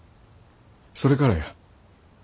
それからや。